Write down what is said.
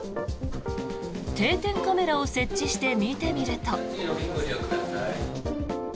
定点カメラを設置して見てみると。